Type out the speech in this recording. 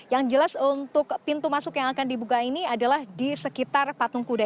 yang jelas untuk pintu masuk yang akan dibuka ini adalah di sekitar patung kuda